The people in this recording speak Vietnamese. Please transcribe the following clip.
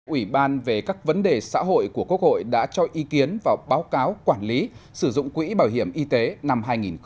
ủy ban về các vấn đề xã hội của quốc hội đã cho ý kiến vào báo cáo quản lý sử dụng quỹ bảo hiểm y tế năm hai nghìn một mươi chín